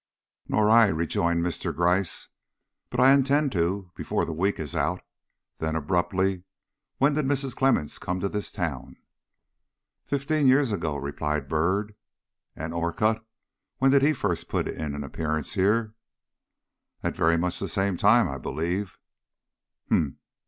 "Nor I," rejoined Mr. Gryce; "but I intend to before the week is out." Then abruptly: "When did Mrs. Clemmens come to this town?" "Fifteen years ago," replied Byrd. "And Orcutt when did he first put in an appearance here?" "At very much the same time, I believe."